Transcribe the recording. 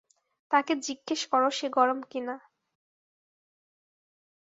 তাকে জিজ্ঞেস কর সে গরম কিনা।